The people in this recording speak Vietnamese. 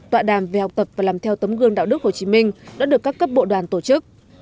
tọa đàm về học tập và làm theo tấm gương đạo đức hồ chí minh đã được các cấp bộ đoàn tổ chức